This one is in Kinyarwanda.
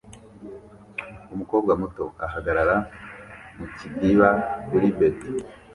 Umukobwa muto ahagarara mu kidiba kuri beto